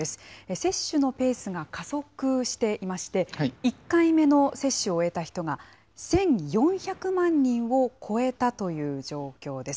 接種のペースが加速していまして、１回目の接種を終えた人が１４００万人を超えたという状況です。